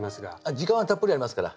時間はたっぷりありますから。